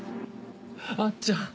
あっちゃん。